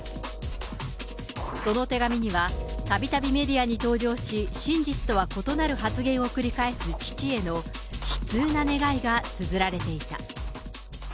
その手紙には、たびたびメディアに登場し、真実とは異なる発言を繰り返す父への悲痛な願いがつづられていた。